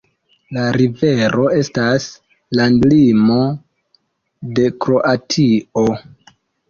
La rivero estas landlimo de Kroatio.